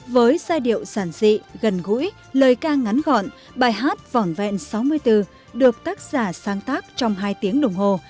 với giai điệu sản dị gần gũi lời ca ngắn gọn bài hát vỏn vẹn sáu mươi bốn được tác giả sáng tác trong hai tiếng đồng hồ